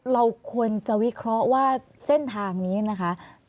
เราควรจะวิเคราะห์ว่าเส้นทางนี้นะคะ